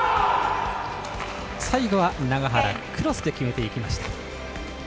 最後は永原クロスで決めていきました。